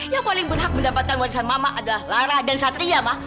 yang paling berhak mendapatkan warisan mama adalah lara dan satria mah